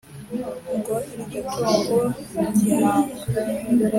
ngo iryo tungo gihanga